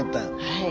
はい。